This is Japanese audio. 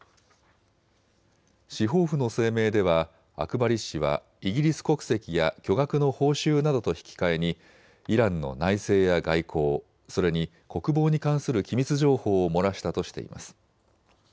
司法府の声明ではアクバリ氏はイギリス国籍や巨額の報酬などと引き換えにイランの内政や外交、それに国防に関する機密情報を漏らしたとしています。